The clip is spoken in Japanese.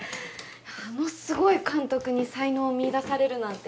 あのすごい監督に才能を見いだされるなんて。